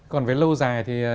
còn với lâu dài thì